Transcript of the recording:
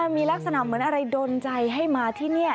มีลักษณะเหมือนอะไรดนใจให้มาที่นี่